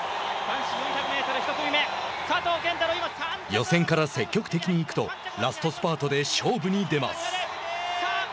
予選から積極的に行くとラストスパートで勝負に出ます。